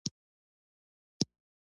قلم له کرکې سره جګړه کوي